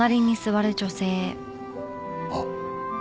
あっ。